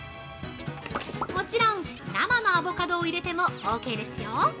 ◆もちろん生のアボカドを入れてもオーケーですよ！